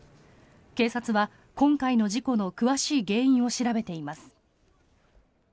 警察は今回の事故の詳しい原因を調べています。